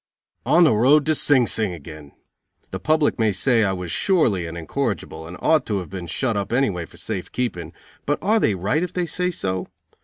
_ On the road to Sing Sing again! The public may say I was surely an incorrigible and ought to have been shut up anyway for safe keeping, but are they right if they say so?